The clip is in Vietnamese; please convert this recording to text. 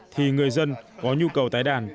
thì người dân có nhu cầu tái đàn